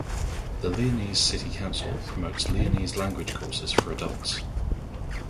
The Leonese City Council promotes Leonese language courses for adults.